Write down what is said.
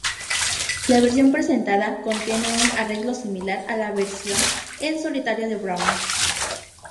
La versión presentada contiene un arreglo similar a la versión en solitario de Brown.